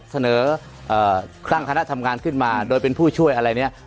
เสนอตั้งคณะทำงานขึ้นมาโดยเป็นผู้ช่วยอะไรเนี่ย